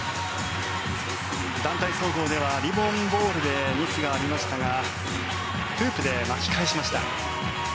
団体総合ではリボン・ボールでミスがありましたがフープで巻き返しました。